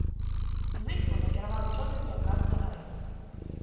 Зыкаў накіраваў човен якраз да гары.